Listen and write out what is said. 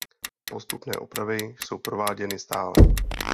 Postupné opravy jsou prováděny stále.